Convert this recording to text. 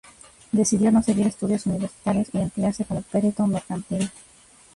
Decidió no seguir estudios universitarios y emplearse como perito mercantil.